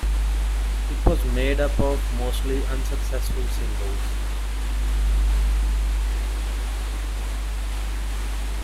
It was made up of mostly unsuccessful singles.